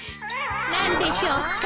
何でしょうか。